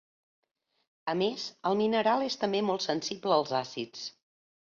A més, el mineral és també molt sensible als àcids.